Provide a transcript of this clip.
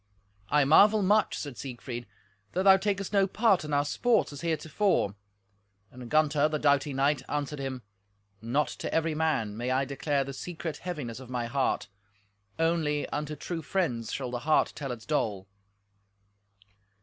"I marvel much," said Siegfried, "that thou takest no part in our sports as heretofore." And Gunther, the doughty knight, answered him, "Not to every man may I declare the secret heaviness of my heart; only unto true friends shall the heart tell its dole."